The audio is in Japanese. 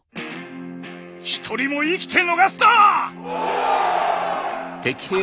一人も生きて逃すな！